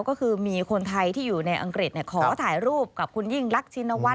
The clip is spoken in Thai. ก็คือมีคนไทยที่อยู่ในอังกฤษขอถ่ายรูปกับคุณยิ่งรักชินวัฒ